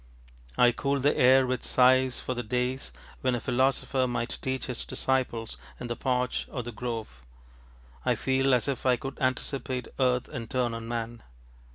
I cool the air with sighs for the days when a philosopher might teach his disciples in the porch or the grove. I feel as if I could anticipate earth and turn on man.